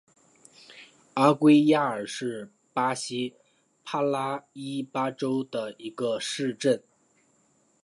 阿圭亚尔是巴西帕拉伊巴州的一个市镇。